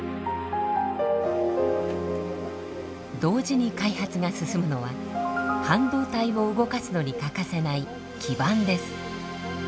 同時に開発が進むのは半導体を動かすのに欠かせない基板です。